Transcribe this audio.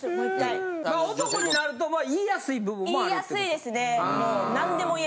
男になると言いやすい部分もある？